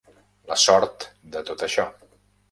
La sort de tot això.